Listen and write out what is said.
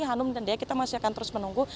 hanum dan dea kita masih akan terus menunggu